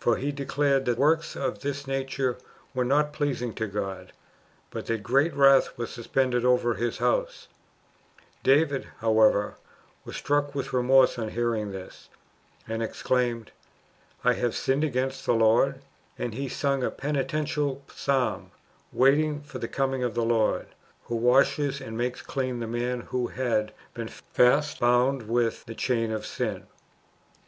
For [he declared] that works of this nature were not pleasing to God, but that great wrath was suspended over his house, David, however, was struck with remorse on hearing this, and exclaimed, ^'I have sinned against the Lord ;" and he sung a penitential psalm, waiting for the coming of the Lord, who washes and makes clean the man who had been fast bound with [the chain of] sin.